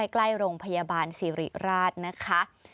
ใกล้โรงพยาบาลสิริราชนะคะ